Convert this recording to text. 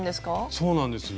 そうなんです